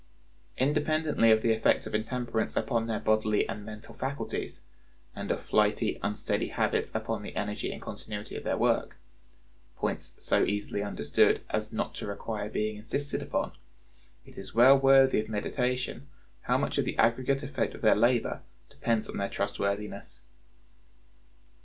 Independently of the effects of intemperance upon their bodily and mental faculties, and of flighty, unsteady habits upon the energy and continuity of their work (points so easily understood as not to require being insisted upon), it is well worthy of meditation how much of the aggregate effect of their labor depends on their trustworthiness.